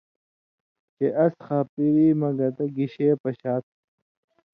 چےۡ اَس خاپیری مہ گتہ گِشے پشا تُھو۔